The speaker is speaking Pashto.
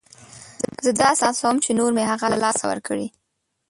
زه داسې احساسوم چې نور مې هغه له لاسه ورکړ.